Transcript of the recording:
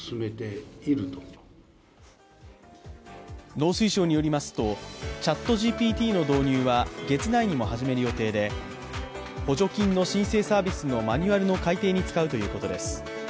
農水省によりますと、ＣｈａｔＧＰＴの導入は月内にも始める予定で補助金の申請サービスのマニュアルの改訂に使うということです。